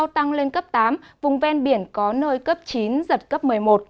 tăng lên cấp tám vùng ven biển có nơi cấp chín giật cấp một mươi một